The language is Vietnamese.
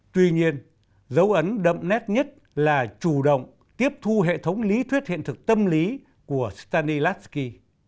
tuy nhiên dấu ấn đậm nét nhất là chủ động tiếp thu hệ thống lý thuyết hiện thực tâm lý của stanislavsky